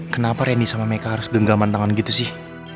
kenapa reni sama meka harus genggaman tangan gitu sih